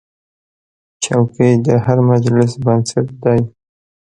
چوکۍ د هر مجلس بنسټ دی.